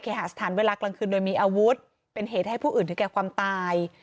หาสถานเวลากลางคืนโดยมีอาวุธเป็นเหตุให้ผู้อื่นถึงแก่ความตาย